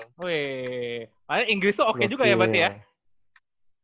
wih makanya inggris tuh oke juga ya berarti ya